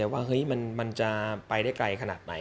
ว่ามันจะไปได้ไกลขนาดไหน